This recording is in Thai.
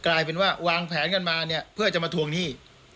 กลายเป็นว่าวางแผนกันมาเนี่ยเพื่อจะมาทวงหนี้